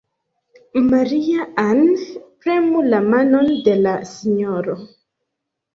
Maria-Ann, premu la manon de la sinjoro.